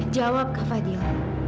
jawab kava dil